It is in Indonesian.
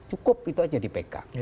cukup itu aja di pk